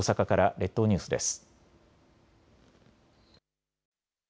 列島ニュースです。